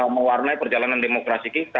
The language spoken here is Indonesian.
memwarnai perjalanan demokrasi kita